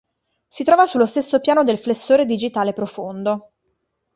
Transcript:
Si trova sullo stesso piano del flessore digitale profondo.